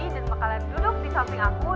dan bakalan duduk di samping aku